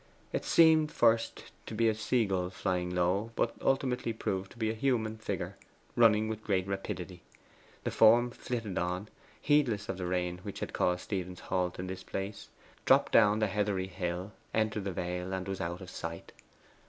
It seemed first to be a sea gull flying low, but ultimately proved to be a human figure, running with great rapidity. The form flitted on, heedless of the rain which had caused Stephen's halt in this place, dropped down the heathery hill, entered the vale, and was out of sight.